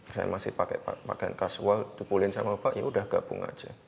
saya masih pakai kasual dipulihin sama bapak ya udah gabung aja